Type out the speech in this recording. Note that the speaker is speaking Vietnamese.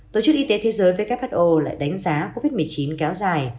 tổ chức y tế thế giới who lại đánh giá covid một mươi chín kéo dài